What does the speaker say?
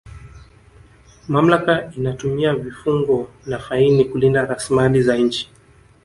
mamlaka inatumia vifungo na faini kulinda rasilimali za nchi